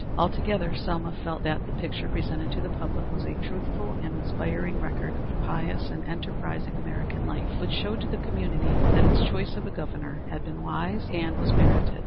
Altogether Selma felt that the picture presented to the public was a truthful and inspiring record of pious and enterprising American life, which showed to the community that its choice of a Governor had been wise and was merited.